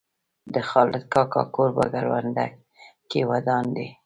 د خالد کاکا کور په کرونده کې ودان دی.